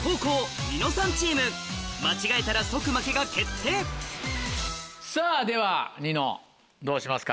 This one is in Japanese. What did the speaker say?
間違えたら即負けが決定さぁではニノどうしますか？